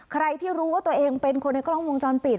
ใครที่รู้ว่าตัวเองเป็นคนในกล้องวงจรปิด